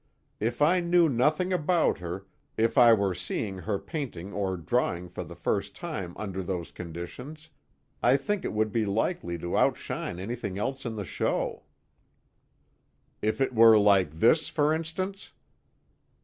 If I knew nothing about her, if I were seeing her painting or drawing for the first time under those conditions, I think it would be likely to outshine anything else in the show." "If it were like this, for instance?"